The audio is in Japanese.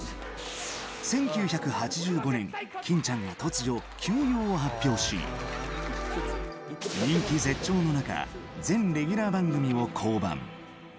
１９８５年、欽ちゃんが突如休養を発表し人気絶頂の中全レギュラー番組を降板。